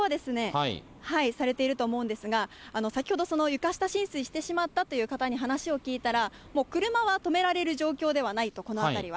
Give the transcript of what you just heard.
されていると思うんですが、先ほど、その床下浸水してしまったという方に話を聞いたら、もう車は止められる状況ではないと、この辺りは。